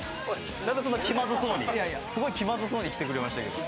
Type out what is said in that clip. なんでそんな気まずそうにすごい気まずそうに来てくれましたけど。